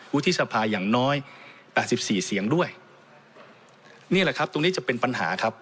วุฒิสภาอย่างน้อยแปดสิบสี่เสียงด้วยนี่แหละครับตรงนี้จะเป็นปัญหาครับ